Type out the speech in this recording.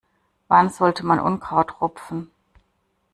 Wann sollte man Unkraut rupfen?